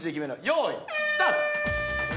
よーいスタート！